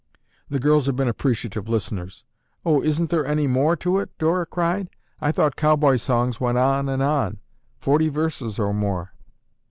The girls had been appreciative listeners. "Oh, isn't there any more to it?" Dora cried "I thought cowboy songs went on and on; forty verses or more."